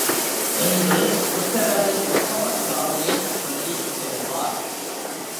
என்று புத்தரது உற்பவக் காதையைச் சொல்லிச் செல்வார்.